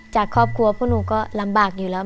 จากครอบครัวพวกหนูก็ลำบากอยู่แล้ว